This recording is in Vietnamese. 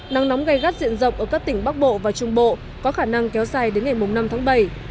nắng nóng gai gắt diện rộng ở các tỉnh bắc bộ và trung bộ có khả năng kéo dài đến ngày năm tháng bảy